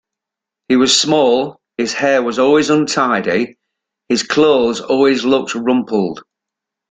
He was small, his hair was always untidy, his clothes always looked rumpled.